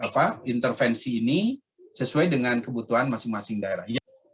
jadi intervensi ini sesuai dengan kebutuhan masing masing daerah